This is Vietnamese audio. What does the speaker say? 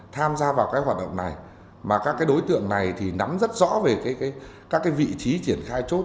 tham gia vào cái hoạt động này mà các cái đối tượng này thì nắm rất rõ về các cái vị trí triển khai chốt